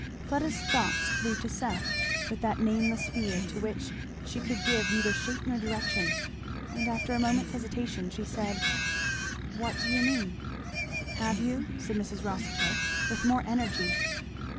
Fleda's thoughts flew to Seth, with that nameless fear to which she could give neither shape nor direction, and after a moment's hesitation she said, "What do you mean?" "Have you?" said Mrs. Rossitur with more energy.